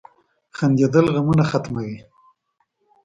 • خندېدل غمونه ختموي.